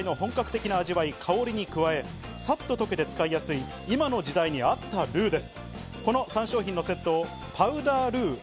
こだわりの本格的な味わい・香りに加え、さっと溶けて使いやすい今の時代にあったルウです。